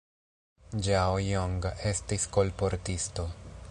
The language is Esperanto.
Ĝao Jong estis kolportisto.